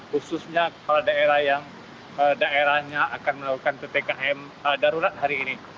khususnya kepala daerah yang daerahnya akan melakukan ppkm darurat hari ini